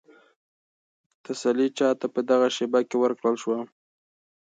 تسلي چا ته په دغه شېبه کې ورکړل شوه؟